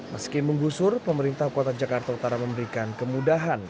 meski menggusur pemerintah kota jakarta utara memberikan kemudahan